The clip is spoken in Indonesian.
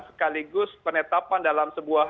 sekaligus penetapan dalam sebuah